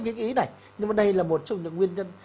cái ý này nhưng mà đây là một trong những nguyên nhân